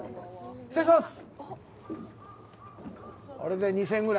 失礼します！